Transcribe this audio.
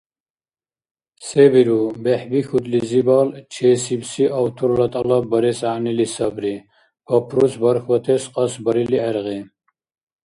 Се биру, бехӀбихьудлизибал чесибси авторла тӀалаб барес гӀягӀнили сабри, папрус бархьбатес кьас барили гӀергъи.